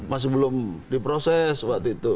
masih belum diproses waktu itu